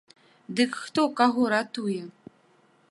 Дык хто каго ратуе?